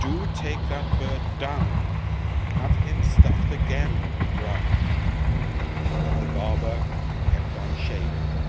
Do take that bird down; Have him stuffed again, Brown!" And the barber kept on shaving.